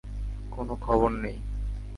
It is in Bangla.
কোনো খবর নেই?